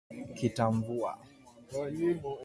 Kitamvua